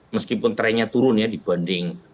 meskipun trennya turun ya dibanding